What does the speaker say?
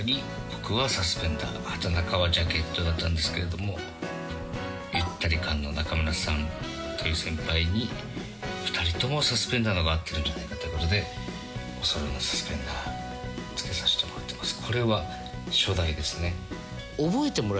僕はサスペンダー畠中はジャケットだったんですけれどもゆったり感の中村さんという先輩に「２人ともサスペンダーの方が合ってるんじゃないか」という事でおそろいのサスペンダー付けさせてもらってます。